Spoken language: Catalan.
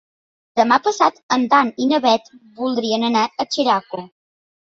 Demà passat en Dan i na Bet voldrien anar a Xeraco.